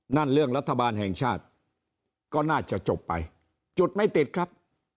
นั่นเรื่องรัฐบาลแห่งชาติก็น่าจะจบไปจุดไม่ติดครับ